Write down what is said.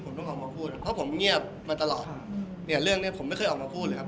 เหมือนมีการเตรียมการมาก่อนหรือว่าอะไรอย่างนี้ครับ